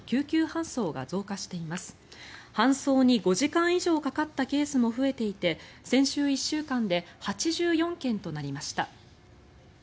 搬送に５時間以上かかったケースも増えていて先週１週間で８４件となりました。